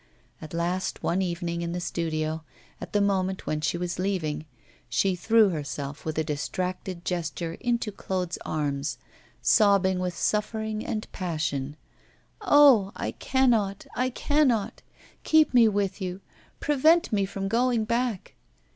At last, one evening in the studio, at the moment when she was leaving, she threw herself with a distracted gesture into Claude's arms, sobbing with suffering and passion. 'Ah! I cannot, I cannot keep me with you; prevent me from going back.